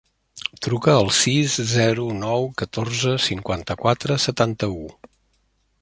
Truca al sis, zero, nou, catorze, cinquanta-quatre, setanta-u.